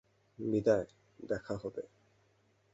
বিদায়, দেখা হবে!